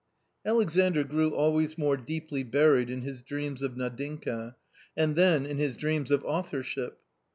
Alexandr grew always more deeply buried in his dreams of Nadinka and then in his dreams of authorship.